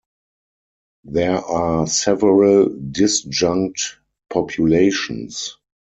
There are several disjunct populations.